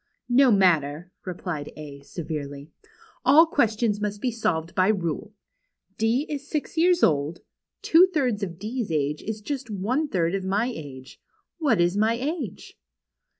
" No matter," replied A, severely. " All questions must be solved jjy rule. D is six years old. Two thirds of D's age is just one third of my age. What is my age